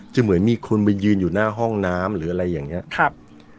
เหมือนมีคนมายืนอยู่หน้าห้องน้ำหรืออะไรอย่างนี้ครับ